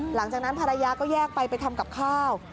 หลังจากนั้นภรรยาก็แยกไปไปทำกับข้าว